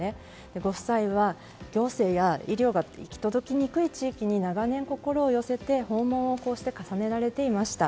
ご夫妻は行政や医療が行き届きにくい地域に長年心を寄せて、こうして訪問を重ねられていました。